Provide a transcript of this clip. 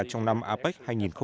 trong năm apec hai nghìn một mươi bảy